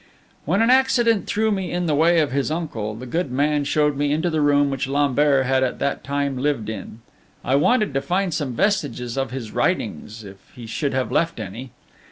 When an accident threw me in the way of his uncle, the good man showed me into the room which Lambert had at that time lived in. I wanted to find some vestiges of his writings, if he should have left any.